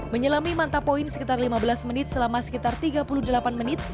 menyelami mantapoint sekitar lima belas menit selama sekitar tiga puluh delapan menit